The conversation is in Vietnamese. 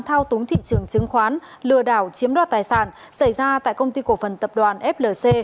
trưởng chứng khoán lừa đảo chiếm đoạt tài sản xảy ra tại công ty cổ phần tập đoàn flc